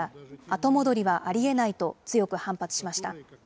後戻りはありえないと、強く反発しました。